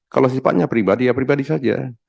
masalahnya pribadi ya pribadi saja